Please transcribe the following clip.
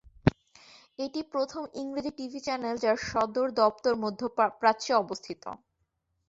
এটি প্রথম ইংরেজি টিভি চ্যানেল যার সদর দপ্তর মধ্যপ্রাচ্যে অবস্থিত।